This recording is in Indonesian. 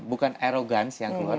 bukan arrogance yang keluar